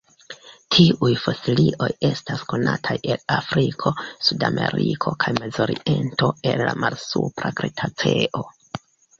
Tiuj fosilioj estas konataj el Afriko, Sudameriko, kaj Mezoriento el la Malsupra Kretaceo.